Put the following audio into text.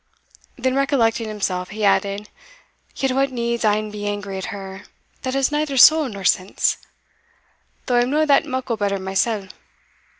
Then recollecting himself, he added, "Yet what needs ane be angry at her, that has neither soul nor sense? though I am no that muckle better mysell.